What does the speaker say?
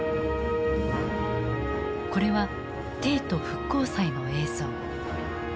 これは「帝都復興祭」の映像。